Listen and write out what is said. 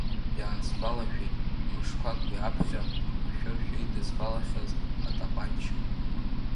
Иаасгәалашәеит, мшқәак уи аԥхьа, машәыршәа идызбалахьаз атапанча.